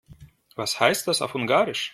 Was heißt das auf Ungarisch?